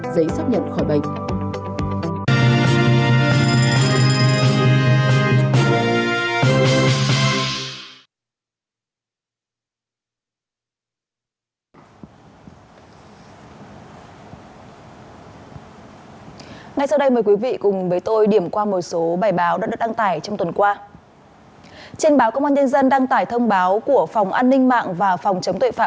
giấy xác nhận khỏi bệnh